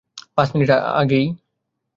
পাঁচ মিনিট আগেই।